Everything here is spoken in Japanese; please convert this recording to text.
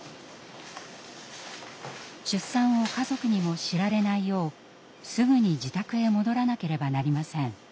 出産を家族にも知られないようすぐに自宅へ戻らなければなりません。